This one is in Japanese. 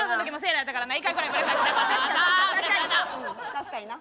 確かにな！